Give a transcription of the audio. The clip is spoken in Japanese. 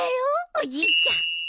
おじいちゃん